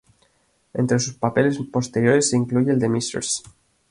Entre sus papeles posteriores se incluye el de Mrs.